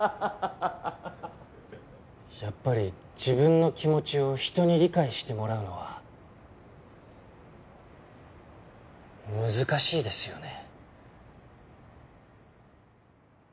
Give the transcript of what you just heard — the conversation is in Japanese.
やっぱり自分の気持ちを人に理解してもらうのは難しいですよね。